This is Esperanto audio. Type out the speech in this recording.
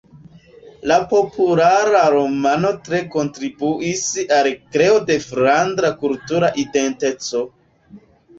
La populara romano tre kontribuis al kreo de flandra kultura identeco.